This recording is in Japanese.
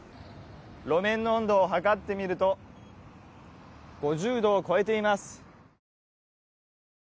路面の温度を測ってみると５０度を超えています。